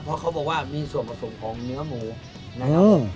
เพราะเขาบอกว่ามีส่วนผสมของเนื้อหมูนะครับ